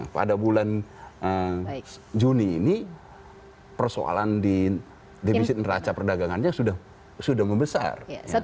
pada bulan juni ini persoalan di defisit neraca perdagangannya sudah membesar